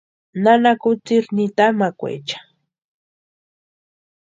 Nana kutsïiri nitamakwaecha.